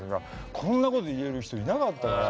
こんなこと言える人いなかったから。